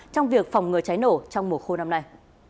trong việc phòng ngừa cháy nổ trong mùa khô năm nay